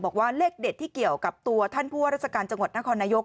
บอกว่าเลขเด็ดที่เกี่ยวกับตัวท่านผู้ว่าราชการจังหวัดนครนายก